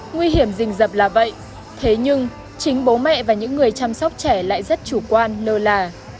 nguy hiểm rình rập là vậy thế nhưng chính bố mẹ và những người chăm sóc trẻ lại rất chủ quan lơ là